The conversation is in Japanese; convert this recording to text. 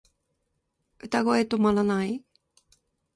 歌声止まらない